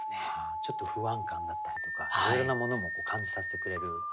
ちょっと不安感だったりとかいろいろなものも感じさせてくれる。